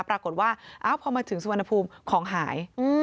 ปรากฏว่าพอมาถึงสุวรรณภูมิของหาย